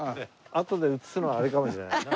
あとで映すのはあれかもしれないな。